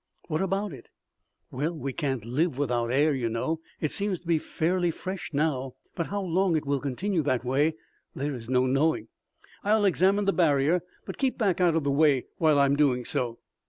"What about it?" "Well, we can't live without air, you know. It seems to be fairly fresh now, but how long it will continue that way there is no knowing. I'll examine the barrier, but keep back out of the way while I am doing so."